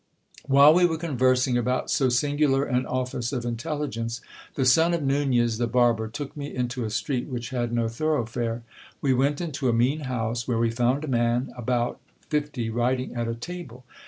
While we were conversing about so singular an office of intelligence, the son of Nunez the barber took me into a street which had no thoroughfare. We went into a mean house, where we found a man about fifty writing at a table.